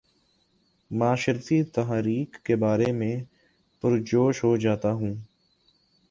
معاشرتی تحاریک کے بارے میں پر جوش ہو جاتا ہوں